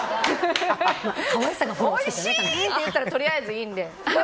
おいしいって言ったらとりあえずいいんで。